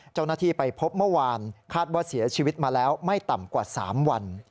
เจ้าหน้าที่ไปพบเมื่อวานคาดว่าเสียชีวิตมาแล้วไม่ต่ำกว่า๓วัน